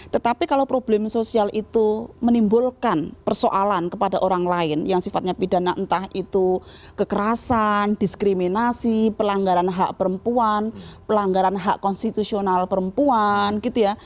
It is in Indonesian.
tetapi kalau problem sosial itu menimbulkan persoalan kepada orang lain yang sifatnya pidana entah itu kekerasan diskriminasi pelanggaran hak perempuan pelanggaran hak konstitusional perempuan gitu ya